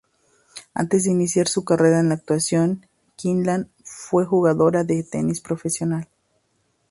Antes de iniciar su carrera en la actuación, Quinlan fue jugadora de tenis profesional.